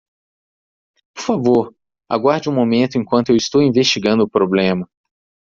Por favor, aguarde um momento enquanto eu estou investigando o problema.